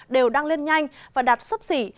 đều đang lên nhanh và đạt sấp xỉ